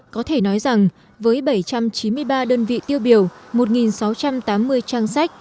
có thể nói rằng với bảy trăm chín mươi ba đơn vị tiêu biểu một sáu trăm tám mươi trang sách